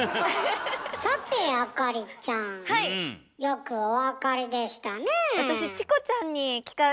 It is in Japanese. さて亜香里ちゃんよくお分かりでしたねえ。